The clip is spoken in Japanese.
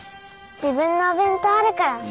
自分のお弁当あるから。